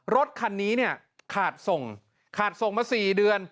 รถคันนี้เนี่ยขาดส่งขาดส่งมา๔เดือน